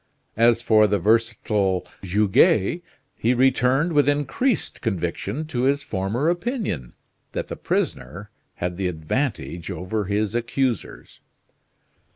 As for the versatile Goguet he returned with increased conviction to his former opinion, that the prisoner had the advantage over his accusers.